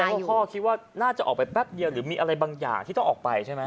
ให้พ่อคิดว่าน่าจะออกไปแป๊บเดียวหรือมีอะไรบางอย่างที่ต้องออกไปใช่ไหม